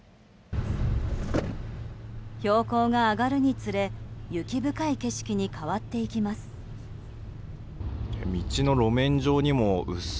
標高が上がるにつれ雪深い景色に変わっていきます。